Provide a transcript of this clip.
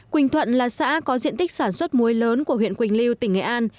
quỳnh thuận là xã có diện tích sản xuất muối lớn của huyện quỳnh lưu tỉnh nghệ an